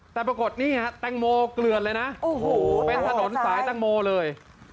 แต่ปรากฏนี่ฮะแตงโมเกลือนเลยนะโอ้โหเป็นถนนสายแตงโมเลย